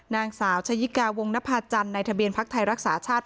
นางสาวชะยิกาวงนภาจันทร์ในทะเบียนพักไทยรักษาชาติ